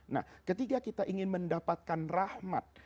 nah ketika kita ingin mendapatkan rahmat